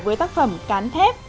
với tác phẩm cán thép